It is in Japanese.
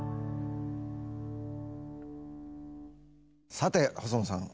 さて細野さん